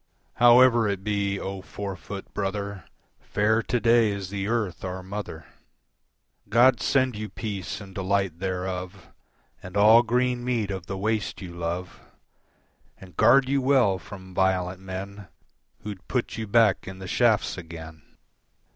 "However it be, O four foot brother, Fair to day is the earth, our mother. "God send you peace and delight thereof, And all green meat of the waste you love, "And guard you well from violent men Who'd put you back in the shafts again."